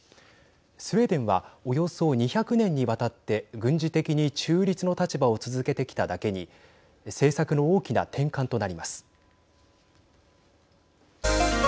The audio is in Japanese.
スウェーデンはおよそ２００年にわたって軍事的に中立の立場を続けてきただけに政策の大きな転換となります。